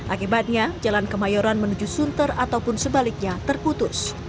akibatnya jalan kemayoran menuju sunter ataupun sebaliknya terputus